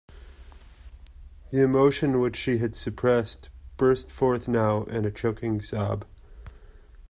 The emotion which she had suppressed burst forth now in a choking sob.